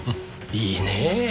いいねぇ。